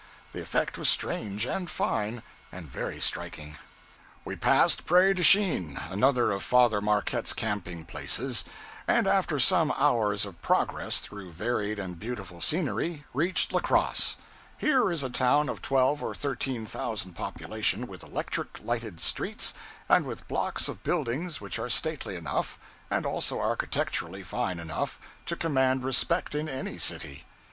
The effect was strange, and fine, and very striking. We passed Prairie du Chien, another of Father Marquette's camping places; and after some hours of progress through varied and beautiful scenery, reached La Crosse. Here is a town of twelve or thirteen thousand population, with electric lighted streets, and with blocks of buildings which are stately enough, and also architecturally fine enough, to command respect in any city.